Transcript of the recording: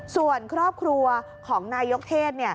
ส่วนครอบครัวของนายกเทศ